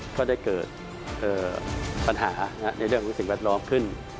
ก็ได้เกิดปัญหาในเรื่องของสิ่งแวดล้อมขึ้น